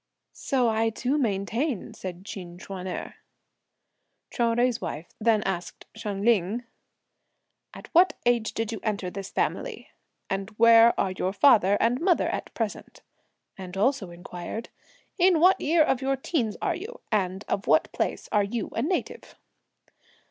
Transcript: "So I too maintain!" said Chin Ch'uan erh. Chou Jui's wife then asked Hsiang Ling, "At what age did you enter this family? and where are your father and mother at present?" and also inquired, "In what year of your teens are you? and of what place are you a native?"